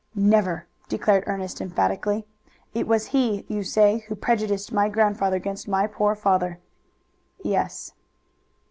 "Never!" declared Ernest emphatically. "It was he, you say, who prejudiced my grandfather against my poor father." "Yes."